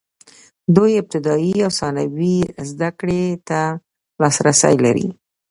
دوی ابتدايي او ثانوي زده کړې ته لاسرسی لري.